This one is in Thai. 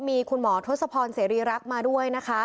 มีคุณหมอทศพรเสรีรักมาด้วย